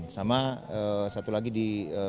sama satu lagi di